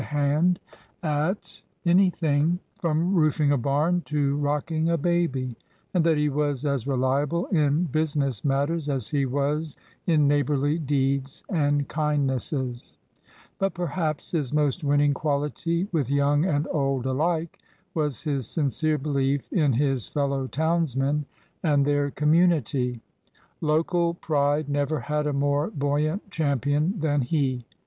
36 From a photograph by Rice Judge Lawrence Weldon EARLY APTITUDES anything, from roofing a barn to rocking a baby ; and that he was as reliable in business matters as he was in neighborly deeds and kindnesses. But perhaps his most winning quality with young and old alike was his sincere belief in his fellow townsmen and their community. Local pride never had a more buoyant champion than he.